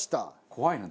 怖いな。